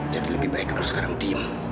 jadi lebih baik kamu sekarang diam